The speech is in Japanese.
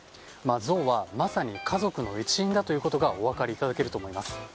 ゾウはまさに家族の一員だということがお分かりいただけると思います。